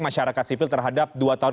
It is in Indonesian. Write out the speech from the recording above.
masyarakat sipil terhadap dua tahun